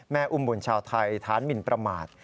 อุ้มบุญชาวไทยฐานหมินประมาท